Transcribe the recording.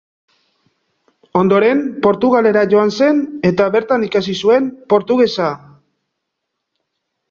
Ondoren Portugalera joan zen, eta bertan ikasi zuen portugesa.